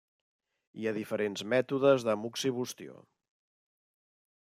Hi ha diferents mètodes de moxibustió.